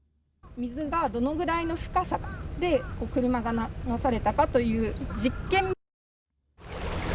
水がどのくらいの深さで車が流されたかという実験。